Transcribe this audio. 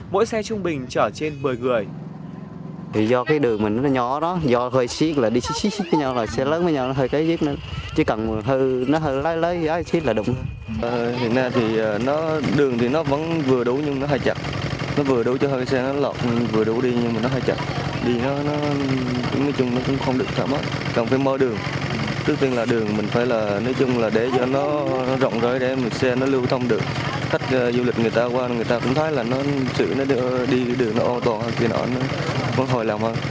mỗi xe trung bình chở trên một mươi người